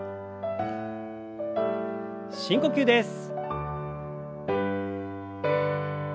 深呼吸です。